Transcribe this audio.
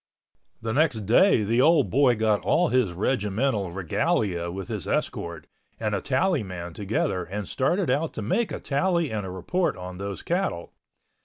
The next day the old boy got all his regimental regalia with his escort and a tally man together and started out to make a tally and a report on those cattle.